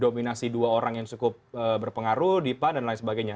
dominasi dua orang yang cukup berpengaruh di pan dan lain sebagainya